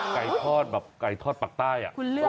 ใกล้ทอดแบบใกล้ทอดปักใต้